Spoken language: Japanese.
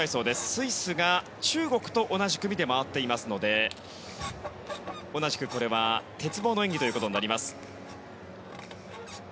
スイスが中国と同じ組で回っていますので同じく鉄棒の演技となります。